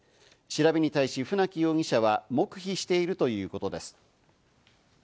調べに対し船木容疑者は黙秘しているということです。